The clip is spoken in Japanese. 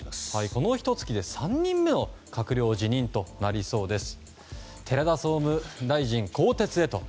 このひと月で３人目の閣僚辞任となりそうです。